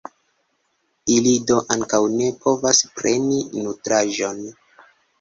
Ili do ankaŭ ne povas preni nutraĵon.